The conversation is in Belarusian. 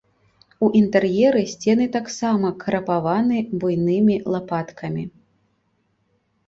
У інтэр'еры сцены таксама крапаваны буйнымі лапаткамі.